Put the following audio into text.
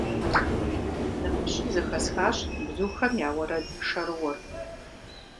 Нэхущым зэхэсхащ бзухэм я уэрэд шэрыуэр.